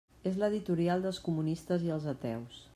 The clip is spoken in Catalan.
És l'editorial dels comunistes i els ateus.